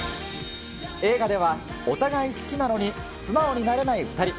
映画では、お互い好きなのに素直になれない２人。